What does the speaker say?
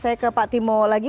saya ke pak timo lagi